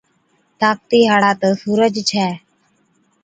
طاقتِي هاڙا تہ سُورج ڇَي۔